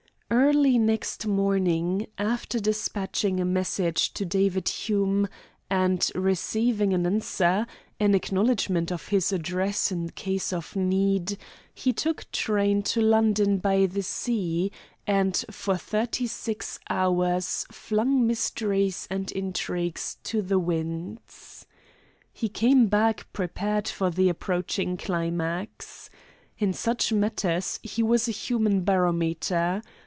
Early next morning, after despatching a message to David Hume, and receiving an answer an acknowledgment of his address in case of need he took train to London by the Sea, and for thirty six hours flung mysteries and intrigues to the winds. He came back prepared for the approaching climax. In such matters he was a human barometer.